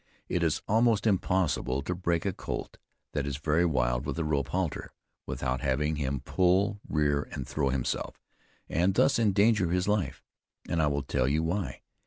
It is almost impossible to break a colt that is very wild with a rope halter, without having him pull, rear and throw himself, and thus endanger his life; and I will tell you why.